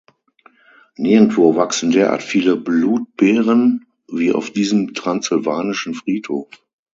Nirgendwo wachsen derart viele Blut-Beeren wie auf diesem transsylvanischen Friedhof.